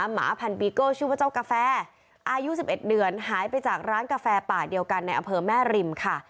หมาพันปีโก้ชื่อว่าเจ้ากาแฟอายุ๑๑เดือนหายไปจากร้านกาแฟป่าเดียวกันในอำเภอแม่ริมค่ะ